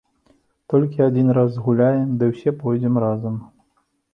Толькі адзін раз згуляем, ды ўсе пойдзем разам.